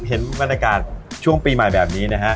เห็นบรรยากาศช่วงปีใหม่แบบนี้นะฮะ